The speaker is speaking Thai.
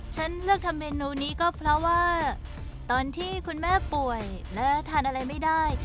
ฉันเลือกทำเมนูนี้ก็เพราะว่าตอนที่คุณแม่ป่วยและทานอะไรไม่ได้